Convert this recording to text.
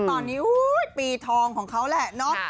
ตอนนี้ปีทองของเขาแหละเนาะ